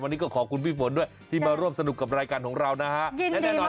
วันนี้ก็ขอบคุณพี่ฝนด้วยที่มาร่วมสนุกกับรายการของเรานะฮะและแน่นอน